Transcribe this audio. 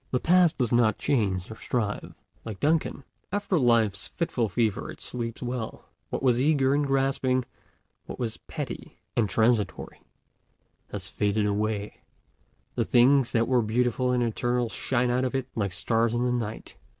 The Past does not change or strive; like Duncan, after life's fitful fever it sleeps well; what was eager and grasping, what was petty and transitory, has faded away, the things that were beautiful and eternal shine out of it like stars in the night.